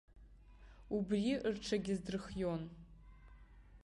Убри рҽагьаздырхион.